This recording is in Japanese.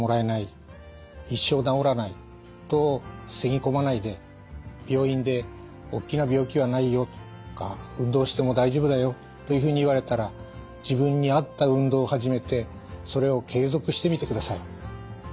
一生治らないとふさぎ込まないで病院で「おっきな病気はないよ」とか「運動しても大丈夫だよ」というふうに言われたら自分に合った運動を始めてそれを継続してみてください。